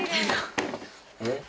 えっ？